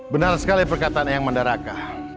benar sekali perkataannya yang mandaraka